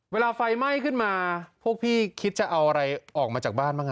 เวลาไฟไหม้ขึ้นมาพวกพี่คิดจะเอาอะไรออกมาจากบ้านบ้าง